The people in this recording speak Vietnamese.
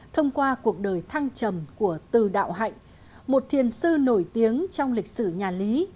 thông qua cuộc đời thăng trầm của từ đạo hạnh một thiền sư nổi tiếng trong lịch sử nhà lý